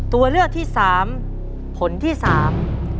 ตัวเลือกที่สามผลที่สาม